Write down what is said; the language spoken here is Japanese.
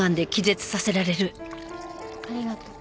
ありがとう。